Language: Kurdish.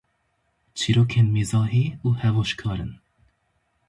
Çîrokên mîzahî û hevojkar in.